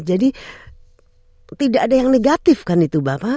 jadi tidak ada yang negatif kan itu bapak